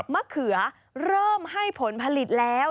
มะเขือเริ่มให้ผลผลิตแล้ว